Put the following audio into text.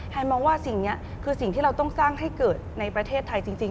มองว่าสิ่งนี้คือสิ่งที่เราต้องสร้างให้เกิดในประเทศไทยจริง